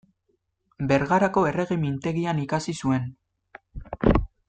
Bergarako Errege Mintegian ikasi zuen.